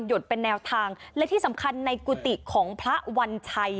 ดเป็นแนวทางและที่สำคัญในกุฏิของพระวัญชัย